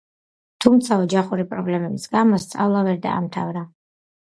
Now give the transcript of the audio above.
თუმცა ოჯახური პრობლემების გამო სწავლა ვერ დაამთავრა.